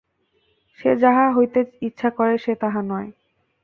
সে যাহা হইতে ইচ্ছা করে, সে তাহা নয়।